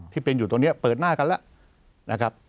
ที่เป็นอยู่ตรงนี้เปิดหน้ากันแล้วนะครับ